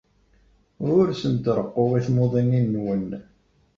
Ur asent-reqquɣ i timuḍinin-nwen.